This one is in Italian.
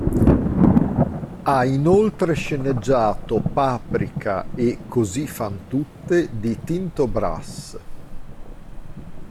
Ha inoltre sceneggiato "Paprika" e "Così fan tutte" di "Tinto Brass".